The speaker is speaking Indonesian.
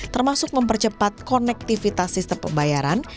termasuk mempercepat konektivitas sistem pembayaran